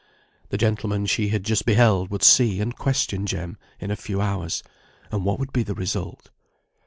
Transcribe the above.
The gentleman she had just beheld would see and question Jem in a few hours, and what would be the result?